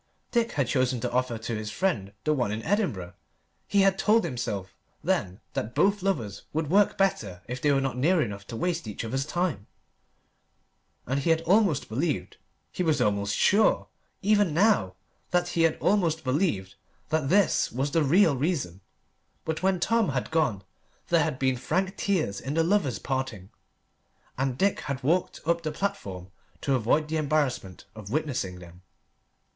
Dick had chosen to offer to his friend the one in Edinburgh. He had told himself then that both lovers would work better if they were not near enough to waste each other's time, and he had almost believed he was almost sure, even now, that he had almost believed that this was the real reason. But when Tom had gone there had been frank tears in the lovers' parting, and Dick had walked up the platform to avoid the embarrassment of witnessing them.